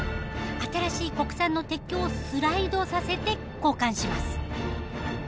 新しい国産の鉄橋をスライドさせて交換します。